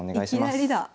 いきなりだ。